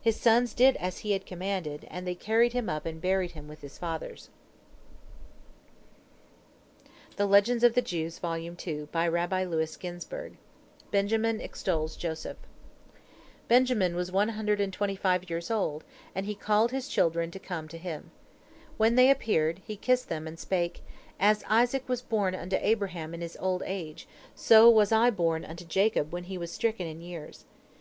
His sons did as he had commanded, and they carried him up and buried him with his fathers. BENJAMIN EXTOLS JOSEPH Benjamin was one hundred and twenty five years old, and he called his children to come to him. When they appeared, he kissed them, and spake: "As Isaac was born unto Abraham in his old age, so was I born unto Jacob when he was stricken in years.